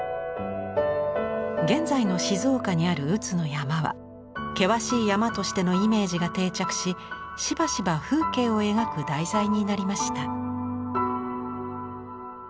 現在の静岡にある宇津の山は険しい山としてのイメージが定着ししばしば風景を描く題材になりました。